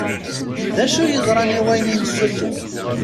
D acu yeḍran i wayen i nessuter?